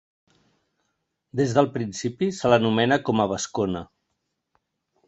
Des del principi se l'anomena com a vascona.